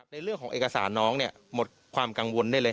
ในเรื่องของเอกสารน้องเนี่ยหมดความกังวลได้เลย